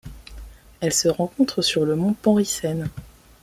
Elle se rencontre sur le mont Penrissen.